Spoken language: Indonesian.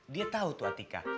dia tau tuh atika